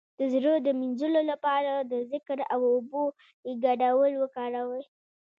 د زړه د مینځلو لپاره د ذکر او اوبو ګډول وکاروئ